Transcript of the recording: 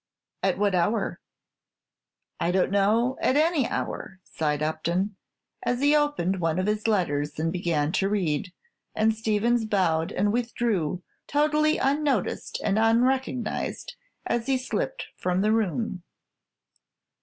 "At what hour?" "I don't know, at any hour," sighed Upton, as he opened one of his letters and began to read; and Stevins bowed and withdrew, totally unnoticed and unrecognized as he slipped from the room.